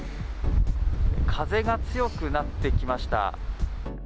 風が強くなってきました。